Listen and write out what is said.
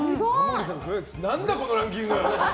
何だ、このランキング！